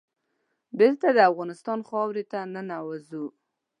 بېرته د افغانستان خاورې ته ننوزو.